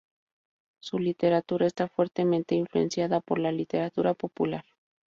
Su literatura está fuertemente influenciada por la literatura popular.